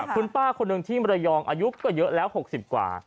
คุณป้าคนหนึ่งที่มรยองอายุก็เยอะแล้ว๖๐กว่า